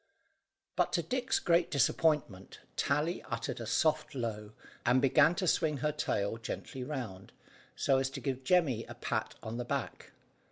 But, to Dick's great disappointment, Tally uttered a soft low, and began to swing her tail gently round, so as to give Jemmy a pat on the back.